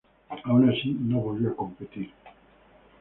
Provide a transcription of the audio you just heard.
Aun así, no volvió a competir.